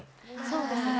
そうですね。